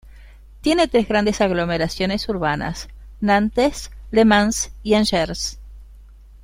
Tiene tres grandes aglomeraciones urbanas: Nantes, Le Mans y Angers.